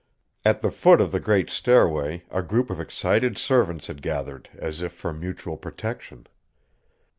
At the foot of the great stairway a group of excited servants had gathered, as if for mutual protection.